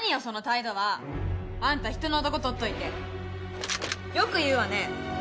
その態度は。あんた人の男取っといてよく言うわね。